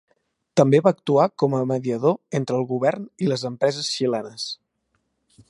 També va actuar com a mediador entre el govern i les empreses xilenes.